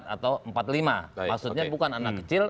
atau empat puluh lima maksudnya bukan anak kecil